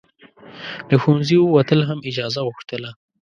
له ښوونځي وتل هم اجازه غوښتله.